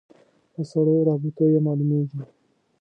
له سړو رابطو یې معلومېږي.